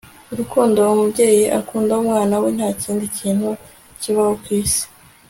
urukundo umubyeyi akunda umwana we ntakindi kintu kibaho kwisi